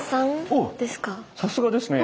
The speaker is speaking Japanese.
さすがですね。